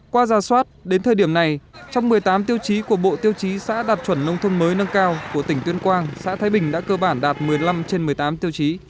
qua giả soát đến thời điểm này trong một mươi tám tiêu chí của bộ tiêu chí xã đạt chuẩn nông thôn mới nâng cao của tỉnh tuyên quang xã thái bình đã cơ bản đạt một mươi năm trên một mươi tám tiêu chí